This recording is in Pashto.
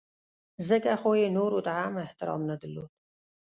ځکه خو یې نورو ته هم احترام نه درلود.